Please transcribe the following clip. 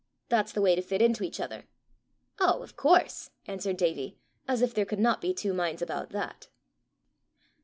That's the way to fit into each other." "Oh, of course!" answered Davie, as if there could not be two minds about that.